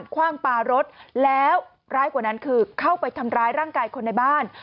คว่างปลารถแล้วร้ายกว่านั้นคือเข้าไปทำร้ายร่างกายคนในบ้าน